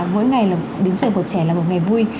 mỗi ngày đến trường của trẻ là một ngày vui